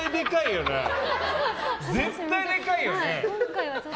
絶対でかいよね。